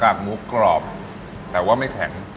หมูกรอบแต่ว่าไม่แข็ง